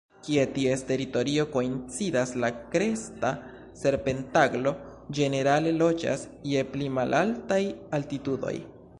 Kie ties teritorio koincidas, la Kresta serpentaglo ĝenerale loĝas je pli malaltaj altitudoj.